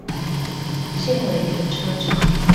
現為停車場